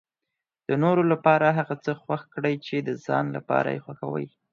د نورو لپاره هغه څه خوښ کړئ چې د ځان لپاره یې خوښوي.